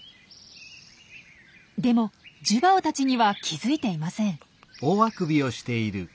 でもジュバオたちには気付いていません。